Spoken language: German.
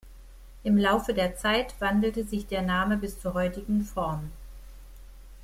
Im Laufe der Zeit wandelte sich der Name bis zur heutigen Form.